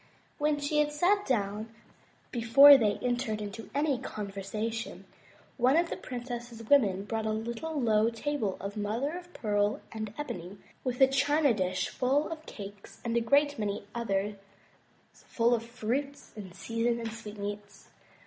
When she had sat down, before they entered into any con versation, one of the princess's women brought a little low table of mother of pearl and ebony, with a china dish full of cakes, and a great many others full of fruits in season and sweetmeats.